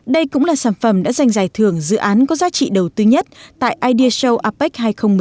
đây cũng là sản phẩm đã giành giải thưởng dự án có giá trị đầu tư nhất tại id show apec hai nghìn một mươi tám